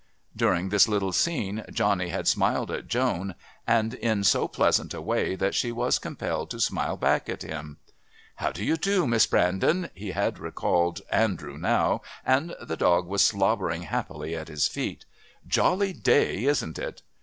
During this little scene Johnny had smiled at Joan, and in so pleasant a way that she was compelled to smile back at him. "How do you do, Miss Brandon?" He had recalled Andrew now, and the dog was slobbering happily at his feet. "Jolly day, isn't it?"